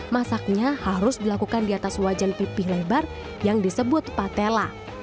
masaknya harus dilakukan di atas wajan pipih lebar yang disebut patella